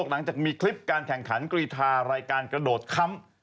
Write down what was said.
หลังจากมีคลิปการแข่งขันกรีธารายการกระโดดค้ำ